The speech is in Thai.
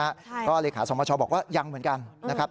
เพราะเลขาสมชบอกว่ายังเหมือนกันนะครับ